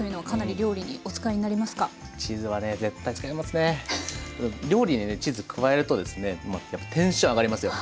料理にねチーズ加えるとですねやっぱテンション上がりますよ！